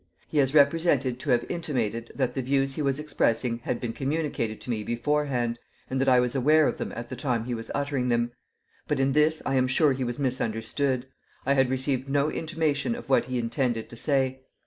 He is represented to have intimated that the views he was expressing had been communicated to me beforehand and that I was aware of them at the time he was uttering them; but in this I am sure he was misunderstood. I had received no intimation of what he intended to say.